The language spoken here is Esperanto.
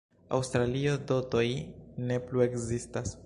Aŭstralio, dotoj ne plu ekzistas.